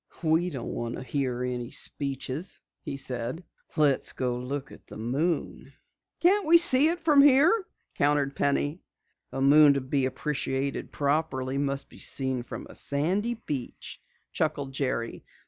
"We don't want to hear any speeches," he said. "Let's go look at the moon." "Can't we see it here?" countered Penny. "A moon to be appreciated properly must be seen from a sandy beach," chuckled Jerry.